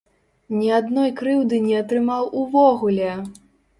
Ні адной крыўды не атрымаў увогуле!